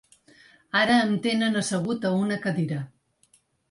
Ara em tenen assegut a una cadira.